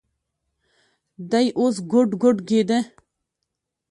دى اوس ګوډ ګوډ کېده.